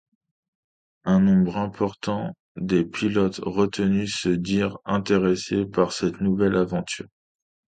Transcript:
Un nombre important des pilotes retenus se dirent intéressés par cette nouvelle aventure.